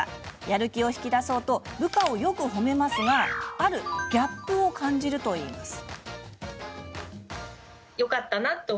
やる気を引き出そうと部下をよく褒めますがあるギャップを感じるといいます。